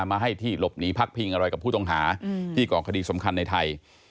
มาให้ที่หลบหนีพักพิงอะไรกับผู้ต้องหาที่ก่อคดีสำคัญในไทย